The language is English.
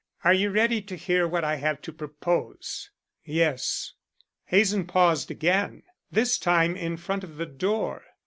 Are you ready to hear what I have to propose?" "Yes." Hazen paused again, this time in front of the door.